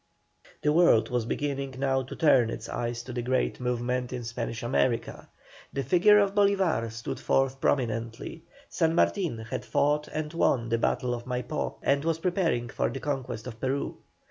The world was beginning now to turn its eyes to the great movement in Spanish America. The figure of Bolívar stood forth prominently. San Martin had fought and won the Battle of Maipó, and was preparing for the conquest of Peru.